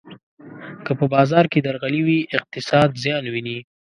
که په بازار کې درغلي وي، اقتصاد زیان ویني.